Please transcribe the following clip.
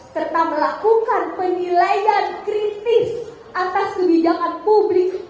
serta melakukan penilaian kritis atas kebijakan publik